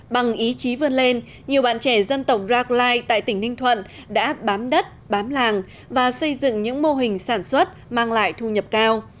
bằng ý chí vươn lên nhiều bạn trẻ dân tộc rackline tại tỉnh ninh thuận đã bám đất bám làng và xây dựng những mô hình sản xuất mang lại thu nhập cao